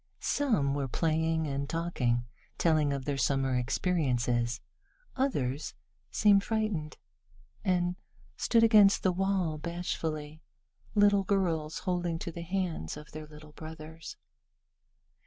Some were playing and talking, telling of their summer experiences. Others seemed frightened, and stood against the wall bashfully, little girls holding to the hands of their little brothers.